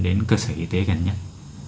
đến cơ sở y tế gần nhất